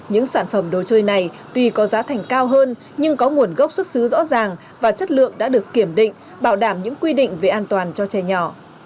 những sản phẩm đồ chơi này tuy có giá thành cao hơn nhưng có nguồn gốc xuất xứ rõ ràng và chất lượng đã được kiểm định bảo đảm những quy định về an toàn cho trẻ nhỏ